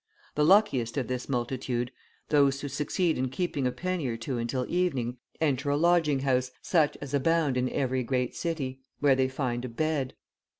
The luckiest of this multitude, those who succeed in keeping a penny or two until evening, enter a lodging house, such as abound in every great city, where they find a bed.